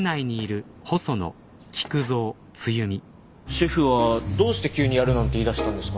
シェフはどうして急にやるなんて言いだしたんですかね。